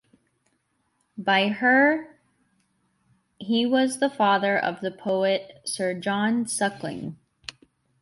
By her, he was the father of the poet Sir John Suckling.